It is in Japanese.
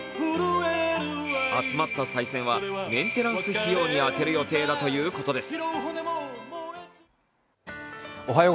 集まったさい銭はメンテナンス費用に充てる予定だということです。